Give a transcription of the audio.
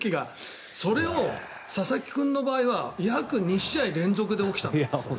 それを佐々木君の場合は約２試合連続で起きた。